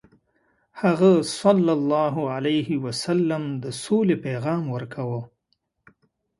هغه ﷺ د سولې پیغام ورکاوه.